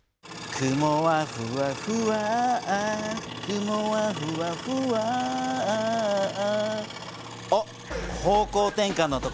「雲はふわふわ」「雲はふわふわ」おっ方向転かんのところに来ましたね。